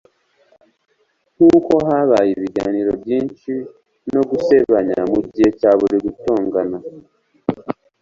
nkuko habaye ibiganiro byinshi no gusebanya mugihe cya buri gutongana